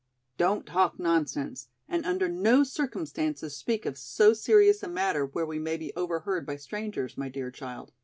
"Don't talk nonsense and under no circumstances speak of so serious a matter where we may be overheard by strangers, my dear child.